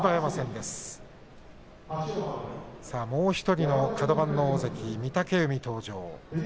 もう１人のカド番の大関御嶽海、登場。